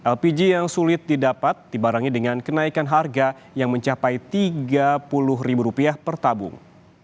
lpg yang sulit didapat dibarengi dengan kenaikan harga yang mencapai rp tiga puluh per tabung